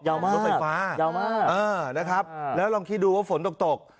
ยาวมากนะครับรถไฟฟ้าแล้วลองคิดดูว่าฝนตก